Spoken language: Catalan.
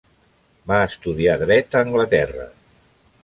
Va estudiar dret a Anglaterra.